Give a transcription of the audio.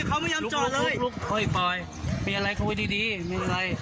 เขาไม่ยอมจอดเลยโอ้ยปล่อยมีอะไรคุยดีดีเป็นอะไร